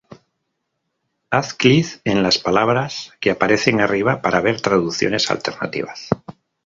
Haz clic en las palabras que aparecen arriba para ver traducciones alternativas.